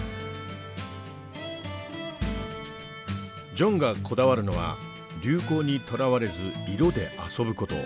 ジョンがこだわるのは流行にとらわれず色で遊ぶ事。